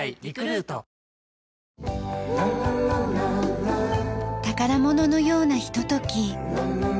はぁ宝物のようなひととき。